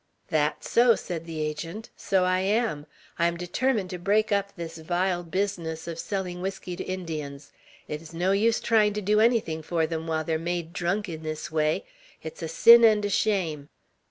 "That's so!" said the Agent. "So I am; I am determined to break up this vile business of selling whiskey to Indians. It is no use trying to do anything for them while they are made drunk in this way; it's a sin and a shame."